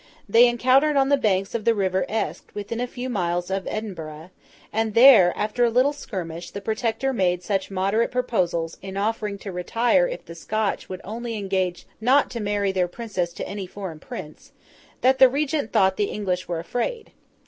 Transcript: They encountered on the banks of the river Esk, within a few miles of Edinburgh; and there, after a little skirmish, the Protector made such moderate proposals, in offering to retire if the Scotch would only engage not to marry their princess to any foreign prince, that the Regent thought the English were afraid.